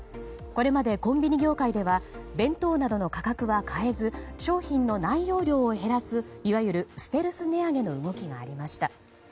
これまでコンビニ業界では弁当などの価格は変えず商品の内容量を減らすいわゆるステルス値上げの動きがありました。